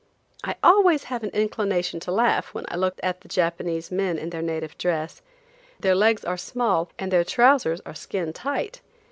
I always have an inclination to laugh when I look at the Japanese men in their native dress. Their legs are small and their trousers are skin tight.